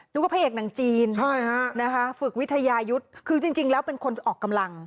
พระเอกหนังจีนฝึกวิทยายุทธ์คือจริงแล้วเป็นคนออกกำลัง